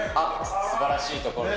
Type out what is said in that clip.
すばらしいとこに。